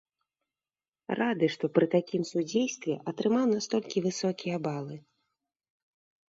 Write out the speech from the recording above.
Рады, што пры такім судзействе атрымаў настолькі высокія балы.